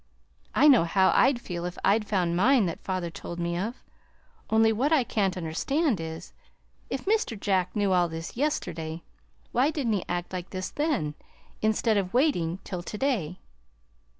I know how I'd feel if I had found mine that father told me of! Only what I can't understand is, if Mr. Jack knew all this yesterday, why did n't he act like this then, instead of waiting till to day?"